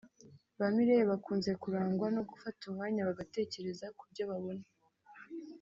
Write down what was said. Ba Mireille bakunze kurangwa no gufata umwanya bagatekereza ku byo babona